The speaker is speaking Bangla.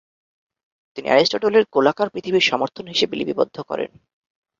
তিনি অ্যারিস্টটলের গোলাকার পৃথিবীর সমর্থন হিসেবে লিপিবদ্ধ করেন।